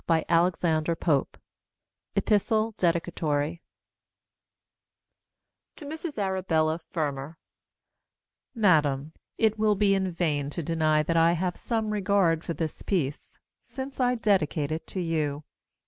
] Epistle Dedicatory To Mrs Arabella Fermor Madam, It will be in vain to deny that I have some regard for this piece, since I dedicate it to you.